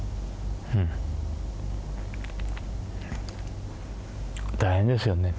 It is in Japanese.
うん大変ですよね